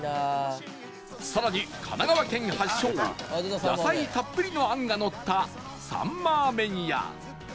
更に神奈川県発祥野菜たっぷりのあんがのったサンマーメンや